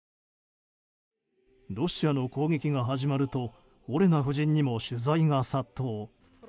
ロシアの攻撃が始まるとオレナ夫人にも取材が殺到。